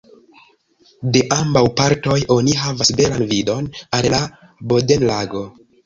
De ambaŭ partoj oni havas belan vidon al la Bodenlago.